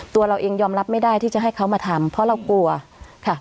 ตัวเราเองยอมรับไม่ได้ที่จะให้เขามาทำเพราะเรากลัวค่ะ